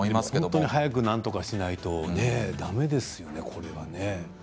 本当に早くなんとかしないと、だめですよね。